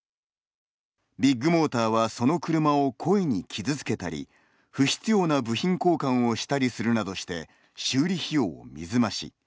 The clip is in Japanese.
ビッグモーターは、その車を故意に傷つけたり不必要な部品交換をしたりするなどして修理費用を水増し。